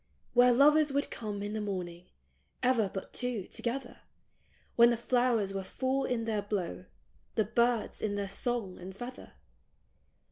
" Where lovers would come in the morning — ever but two, together ; When the flowers were full in their blow; the birds, in their song and feather.